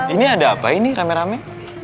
ini ada apa ini rame rame